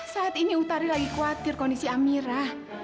saat ini utari lagi khawatir kondisi amirah